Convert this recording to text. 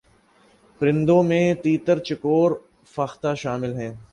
پرندوں میں تیتر چکور فاختہ شامل ہیں